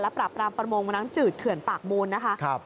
และปรับรามประโมงกำลังจืดเถื่อนปากโมนนะคะ